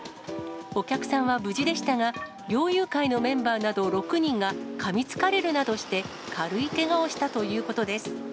お客さんは無事でしたが、猟友会のメンバーなど６人がかみつかれるなどして、軽いけがをしたということです。